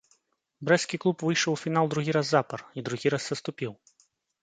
Брэсцкі клуб выйшаў у фінал другі раз запар і другі раз саступіў.